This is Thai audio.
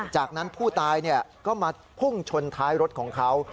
จากนั้นผู้ตายก็มาพุ่งชนท้ายรถของเขา